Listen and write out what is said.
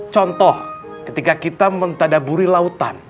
contoh ketika kita mentadaburi lautan